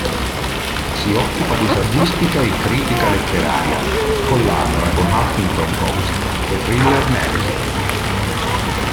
Si occupa di saggistica e critica letteraria, collabora con "Huffington Post e Thriller Magazine.